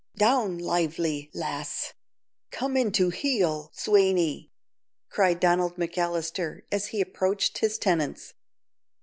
down, Lively, lass; come into heel, Swaney," cried Donald McAllister, as he approached his tenants.